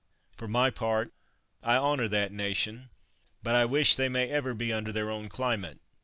For my part, I honor that nation, but I wish they may ever be under their own climate.